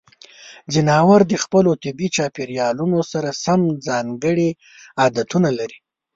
ځناور د خپلو طبیعي چاپیریالونو سره سم ځانګړې عادتونه لري.